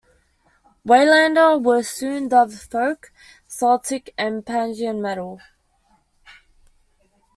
"Waylander" were soon dubbed folk, Celtic and pagan metal.